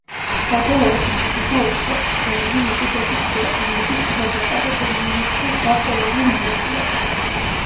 საბოლოოდ, მიიღება უწყვეტი, სფერული ლიპიდების შრე, რომლებიც ცუდად ატარებენ იონებს და სხვა პოლარულ მოლეკულებს.